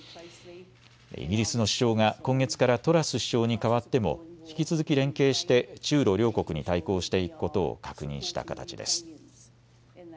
イギリスの首相が今月からトラス首相に代わっても引き続き連携して中ロ両国に対抗していくことを確認した形です。